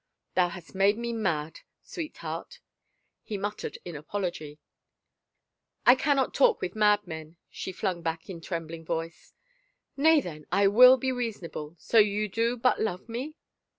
" Thou hast made me mad. Sweetheart," he muttered in apology. " I cannot talk with madmen," she flung back in a trembling voice. " Nay, then I will be reasonable — so you do but love me!"